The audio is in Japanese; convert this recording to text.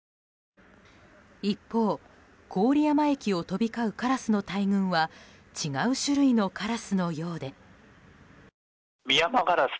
一方、郡山駅を飛び交うカラスの大群は違う種類のカラスのようで。